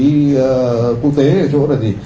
những cái bài báo quốc tế ở chỗ là gì